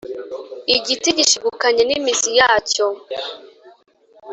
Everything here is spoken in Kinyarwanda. Igiti gishigukanye n'imizi yacyo.